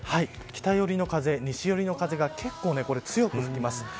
北寄りの風、西寄りの風が結構、強く￥吹きます。